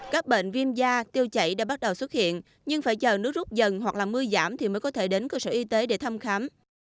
các bệnh viêm da tiêu chảy đã bắt đầu xuất hiện nhưng phải chờ nước rút dần hoặc là mưa giảm thì mới có thể đến cơ sở y tế để thăm khám